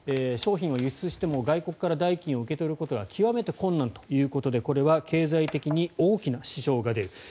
商品を輸出しても外国から代金を受け取ることが極めて困難ということでこれは経済的に大きな支障が出る。